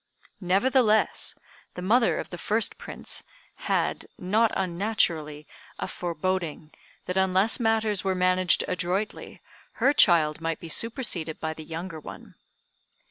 Nevertheless, the mother of the first prince had, not unnaturally, a foreboding that unless matters were managed adroitly her child might be superseded by the younger one.